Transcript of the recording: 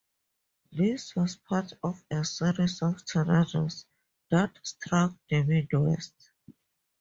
This was part of a series of tornadoes that struck the Midwest.